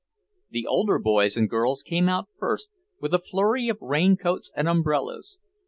The older boys and girls came out first, with a flurry of raincoats and umbrellas.